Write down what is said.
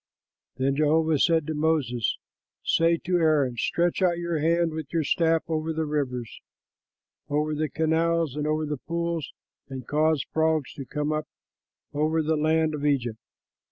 '" Then Jehovah said to Moses, "Say to Aaron: 'Stretch out your hand with your staff over the rivers, over the canals, and over the pools, and cause frogs to come up over the land of Egypt.'"